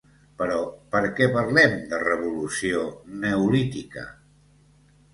Però perquè parlem de revolució neolítica?